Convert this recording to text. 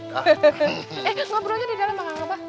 eh ngobrol aja di dalam sama akang abah